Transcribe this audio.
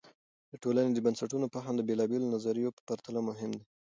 د ټولنې د بنسټونو فهم د بېلابیلو نظریو په پرتله مهم دی.